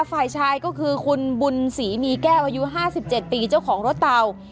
ฝ่ายชายก็คือคุณบุญศรีมีแก้วอายุ๕๗ปีเจ้าของรถเตา